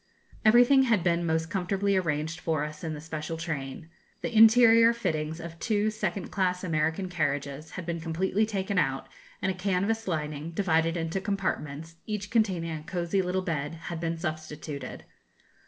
Everything had been most comfortably arranged for us in the special train. The interior fittings of two second class American carriages had been completely taken out, and a canvas lining, divided into compartments, each containing a cozy little bed, had been substituted.